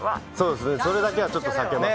それだけはちょっと避けます。